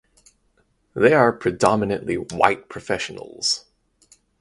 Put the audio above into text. They are predominantly white professionals.